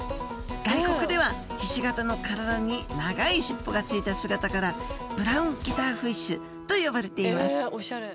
外国ではひし形の体に長い尻尾がついた姿から「ブラウンギターフィッシュ」と呼ばれていますおしゃれ！